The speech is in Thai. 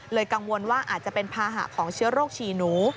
กังวลว่าอาจจะเป็นภาหะของเชื้อโรคฉี่หนู